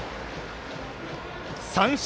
三振。